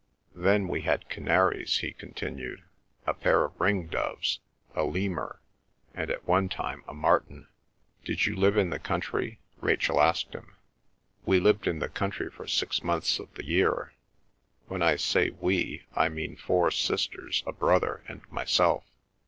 "Then we had canaries," he continued, "a pair of ring doves, a lemur, and at one time a martin." "Did you live in the country?" Rachel asked him. "We lived in the country for six months of the year. When I say 'we' I mean four sisters, a brother, and myself.